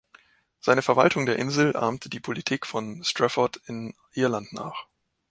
Seine Verwaltung der Insel ahmte die Politik von Strafford in Irland nach.